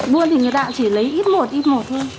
buôn thì người ta chỉ lấy ít một ít một thôi